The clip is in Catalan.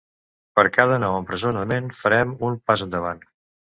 Per cada nou empresonament, farem un pas endavant.